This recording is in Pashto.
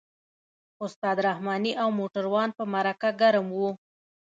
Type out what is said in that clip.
استاد رحماني او موټروان په مرکه ګرم وو.